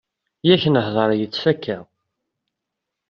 Yak nhedder nettfaka.